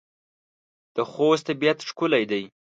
د خوست طبيعت ښکلی دی.